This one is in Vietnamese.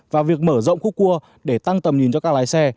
và việc mở rộng khúc cua để tăng tầm nhìn cho các lái xe